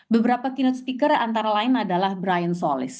beberapa keynote speaker antara lain adalah brian solis